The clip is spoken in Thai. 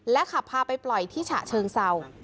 ขับพาไปปล่อยที่ฉะเชิงเศร้า